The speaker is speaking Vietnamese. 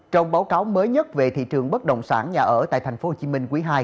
trong báo cáo mới nhất về thị trường bất động sản nhà ở tại tp hcm quý ii